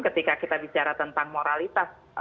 ketika kita bicara tentang moralitas